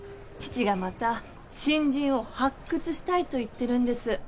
父がまた新人を発掘したいと言ってるんです。